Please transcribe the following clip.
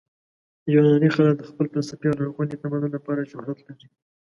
یوناني خلک د خپل فلسفې او لرغوني تمدن لپاره شهرت لري.